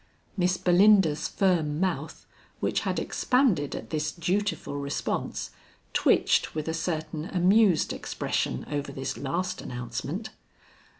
Miss Belinda's firm mouth, which had expanded at this dutiful response, twitched with a certain amused expression over this last announcement.